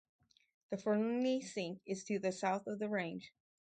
The Fernley Sink is to the south of the range.